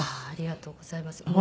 ありがとうございます。